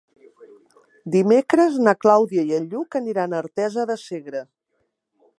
Dimecres na Clàudia i en Lluc aniran a Artesa de Segre.